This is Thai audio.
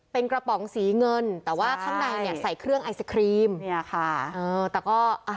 เป็นกระป๋องสีเงินแต่ว่าข้างในเนี่ยใส่เครื่องไอศครีมเนี่ยค่ะเออแต่ก็อ่ะ